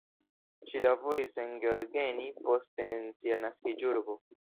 Ŝi laboris en Gheorgheni, poste en sia naskiĝurbo.